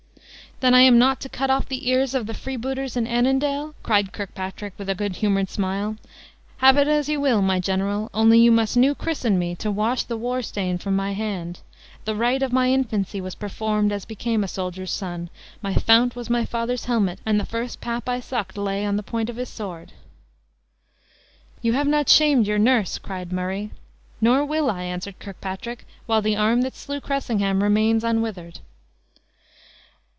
"Then I am not to cut off the ears of the freebooters in Annandale?" cried Kirkpatrick, with a good humored smile. "Have it as you will, my general, only you must new christen me to wash the war stain from my hand. The rite of my infancy was performed as became a soldier's son; my fount was my father's helmet and the first pap I sucked lay on the point of his sword." "You have not shamed your nurse!" cried Murray. "Nor will I," answered Kirkpatrick, "while the arm that slew Cressingham remains unwithered."